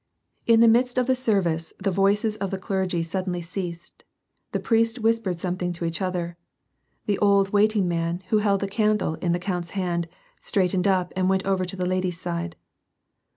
95 In the midst of the service the voices of the clergy sud denly ceased, the priests whispered something to each other ; the old \^'aitiug man who held the candle in the count's hand, straightened up and went over to the ladies' side.